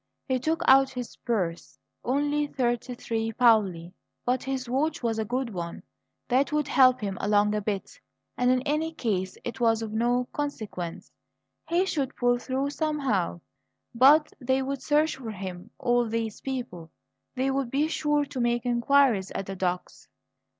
He took out his purse. Only thirty three paoli; but his watch was a good one. That would help him along a bit; and in any case it was of no consequence he should pull through somehow. But they would search for him, all these people; they would be sure to make inquiries at the docks.